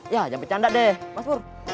ya jam pecanda deh mas pur